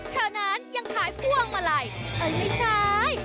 เพราะนั้นยังขายว่องมาลัยเอ๊ะไม่ใช่